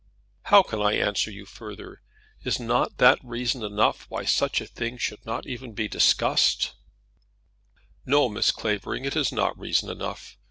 "How can I answer you further? Is not that reason enough why such a thing should not be even discussed?" "No, Miss Clavering, it is not reason enough.